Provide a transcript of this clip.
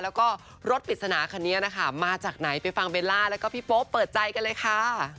แล้วก็รถปริศนาคันนี้นะคะมาจากไหนไปฟังเบลล่าแล้วก็พี่โป๊เปิดใจกันเลยค่ะ